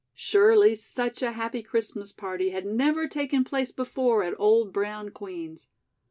Surely such a happy Christmas party had never taken place before at old brown Queen's.